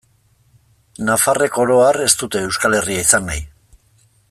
Nafarrek, oro har, ez dute Euskal Herria izan nahi.